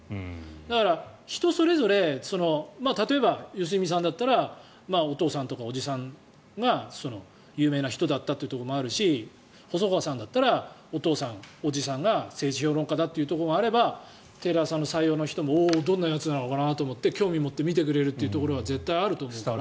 だから、人それぞれ例えば良純さんだったらお父さんとか、おじさんが有名な人だったというところもあるし細川さんだったらお父さん、叔父さんが政治評論家というところがあればテレ朝の採用の人もどんなやつなのかなと思って興味を持ってみてくれるところはあると思うから。